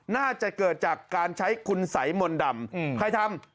น่าจะเกิดจากการใช้คุณไสหมนดำอืม